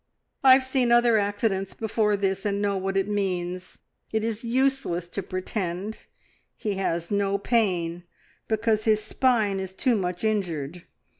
"I have seen other accidents before this, and know what it means. It is useless to pretend. He has no pain because his spine is too much injured.